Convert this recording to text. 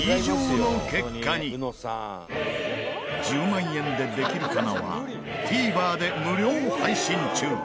『１０万円でできるかな』はＴＶｅｒで無料配信中。